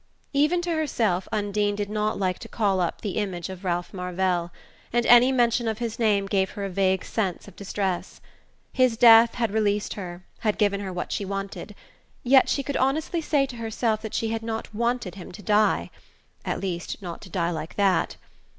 Even to herself. Undine did not like to call up the image of Ralph Marvell; and any mention of his name gave her a vague sense of distress. His death had released her, had given her what she wanted; yet she could honestly say to herself that she had not wanted him to die at least not to die like that....